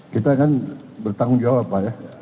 kita kan bertanggung jawab pak ya